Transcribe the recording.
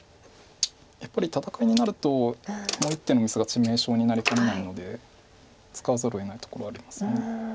やっぱり戦いになると一手のミスが致命傷になりかねないので使わざるをえないところあります。